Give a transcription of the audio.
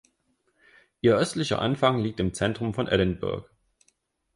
Ihr östlicher Anfang liegt im Zentrum von Edinburgh.